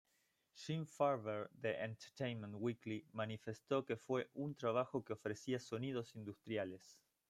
Jim Farber de "Entertainment Weekly", manifestó que fue un trabajo que ofrecía "sonidos industriales".